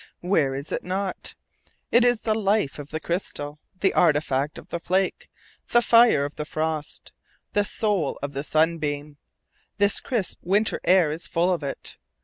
Where is it not? It is the life of the crystal, the architect of the flake, the fire of the frost, the soul of the sunbeam. This crisp winter air is full of it.